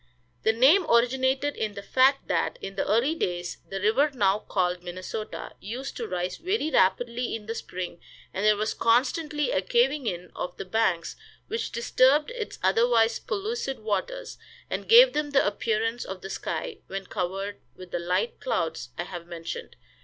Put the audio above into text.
The name originated in the fact that, in the early days, the river now called Minnesota used to rise very rapidly in the spring, and there was constantly a caving in of the banks, which disturbed its otherwise pellucid waters, and gave them the appearance of the sky when covered with the light clouds I have mentioned.